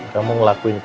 kamu ngelakuin obat